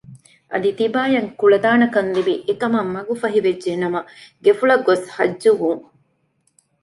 އަދި ތިބާއަށް ކުޅަދާނަކަން ލިބި އެ ކަމަށް މަގު ފަހި ވެއްޖެ ނަމަ ގެފުޅަށް ގޮސް ޙައްޖުވުން